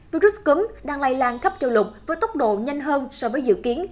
virus cúm đang lây lan khắp châu lục với tốc độ nhanh hơn so với dự kiến